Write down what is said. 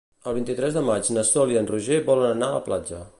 El vint-i-tres de maig na Sol i en Roger volen anar a la platja.